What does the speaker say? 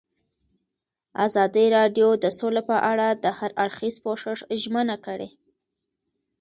ازادي راډیو د سوله په اړه د هر اړخیز پوښښ ژمنه کړې.